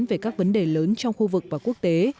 về các vấn đề lớn trong khu vực và quốc tế